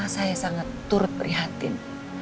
saya sangat turut perhatian